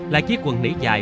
là chiếc quần nỉ dại